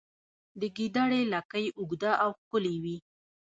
د ګیدړې لکۍ اوږده او ښکلې وي